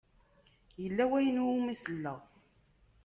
Yella wayen i wumi selleɣ.